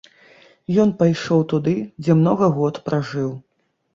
Ён пайшоў туды, дзе многа год пражыў.